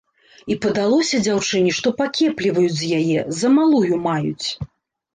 І падалося дзяўчыне, што пакепліваюць з яе, за малую маюць.